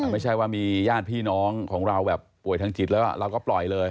ไม่ใช่ว่ามีญาติพี่น้องของเราแบบป่วยทางจิตแล้วเราก็ปล่อยเลย